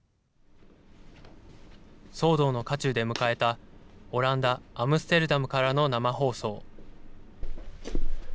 騒動の渦中で迎えたオランダ・アムステルダムからの生放送。